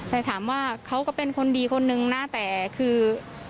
แต่ถามว่าเขาก็เป็นคนดีคนนึงนะแต่คือ